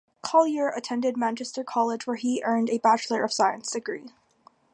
Collyer attended Manchester College, where he earned a Bachelor of Science degree.